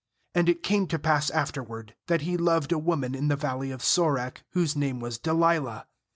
4And it came to pass afterward, that he loved a woman in the valley of Sorek, whose name was Delilah.